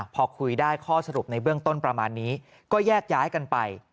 พอคุยได้ข้อสรุปในเบื้องต้นประมาณนี้ก็แยกย้ายกันไป